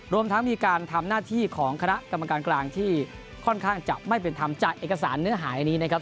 รวมทั้งมีการทำหน้าที่ของคณะกรรมการกลางที่ค่อนข้างจะไม่เป็นธรรมจากเอกสารเนื้อหายนี้นะครับ